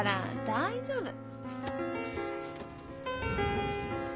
大丈夫。